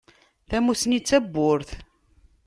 Tamussni d tawwurt.